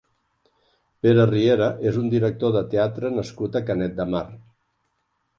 Pere Riera és un director de teatre nascut a Canet de Mar.